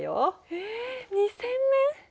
ええ２，０００年！？